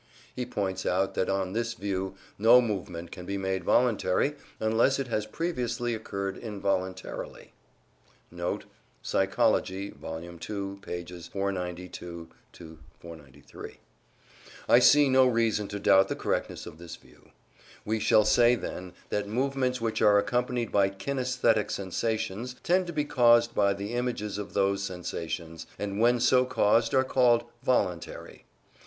He points out that, on this view, no movement can be made voluntarily unless it has previously occurred involuntarily.* * "Psychology," Vol. ii, pp. 492 3. I see no reason to doubt the correctness of this view. We shall say, then, that movements which are accompanied by kinaesthetic sensations tend to be caused by the images of those sensations, and when so caused are called VOLUNTARY.